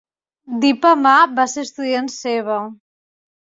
Dipa Ma va ser estudiant seva.